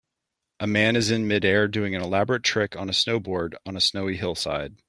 A man is in midair doing an elaborate trick on a snowboard on a snowy hillside.